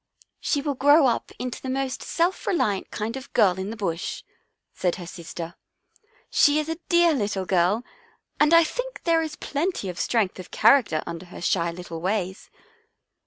" She will grow up into the most self reliant kind of a girl in the Bush," said her sister. " She is a dear little girl and I think there is plenty of strength of character under her shy little ways."